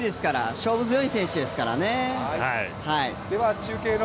勝負強い選手ですからね。